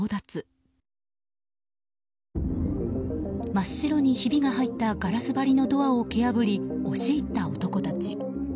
真っ白にひびが入ったガラス張りのドアを蹴破り押し入った男たち。